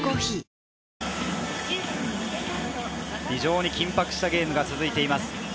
非常に緊迫したゲームが続いています。